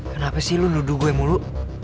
kenapa sih lo nuduh gue mulu